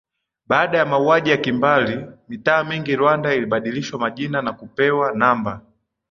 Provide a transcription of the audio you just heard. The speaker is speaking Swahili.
Baada ya mauaji ya kimbali mitaa mingi Rwanda ilibadilishwa majina na kupewa namba